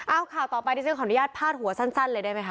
เอาข่าวต่อไปดิฉันขออนุญาตพาดหัวสั้นเลยได้ไหมค